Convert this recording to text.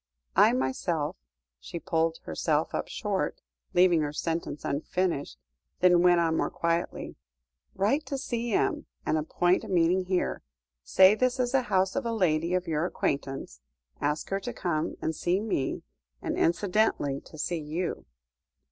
I myself" she pulled herself up short, leaving her sentence unfinished, then went on more quietly: "Write to C.M. and appoint a meeting here. Say this is the house of a lady of your acquaintance, ask her to come and see me and incidentally to see you."